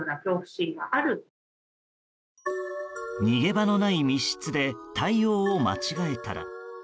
逃げ場のない密室で対応を間違えたら。